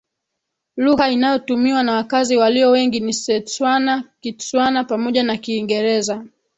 Lugha inayotumiwa na wakazi walio wengi ni Setswana Kitswana pamoja na Kiingereza